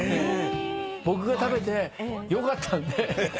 僕が食べてよかったんで。